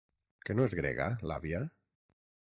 Que no és grega, l'àvia?